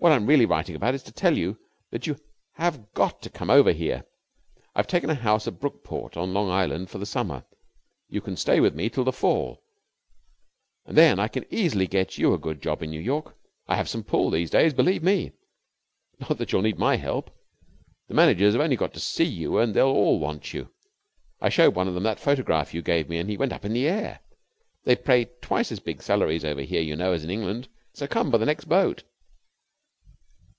What I am really writing about is to tell you that you have got to come over here. I've taken a house at Brookport, on Long Island, for the summer. You can stay with me till the fall, and then I can easily get you a good job in New York. I have some pull these days, believe me. Not that you'll need my help. The managers have only got to see you and they'll all want you. I showed one of them that photograph you gave me, and he went up in the air. They pay twice as big salaries over here, you know, as in England, so come by the next boat.